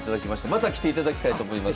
また来ていただきたいと思います。